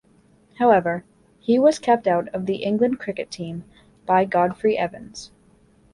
However, he was kept out of the England cricket team by Godfrey Evans.